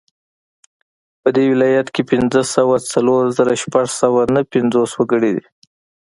په دې ولایت کې پنځه سوه څلور زره شپږ سوه نهه پنځوس وګړي دي